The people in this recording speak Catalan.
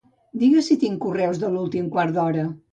Digues si tinc correus de l'últim quart d'hora.